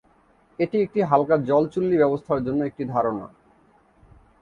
এটি একটি হালকা জল চুল্লী ব্যবস্থার জন্য একটি ধারণা।